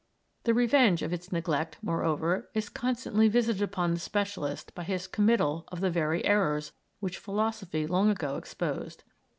The revenge of its neglect, moreover, is constantly visited upon the specialist by his committal of the very errors which philosophy long ago exposed.